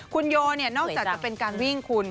คุณโยนอกจากจะเป็นการวิ่งคุณ